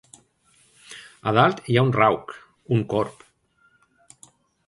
A dalt hi ha un "rauk", un corb.